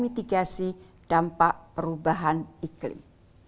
mitigasi dampak perubahan iklim